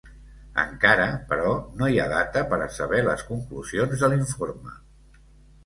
Encara, però, no hi ha data per a saber les conclusions de l’informe.